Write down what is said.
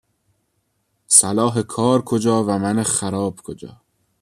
صلاح کار کجا و من خراب کجا